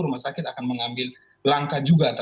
rumah sakit akan mengambil langkah juga